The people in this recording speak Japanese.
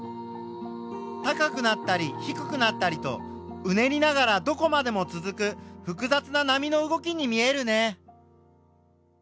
高くなったり低くなったりとうねりながらどこまでも続く複雑な波の動きに見えるね。